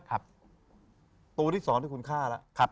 ตัวที่สองคุณฆ่าแล้ว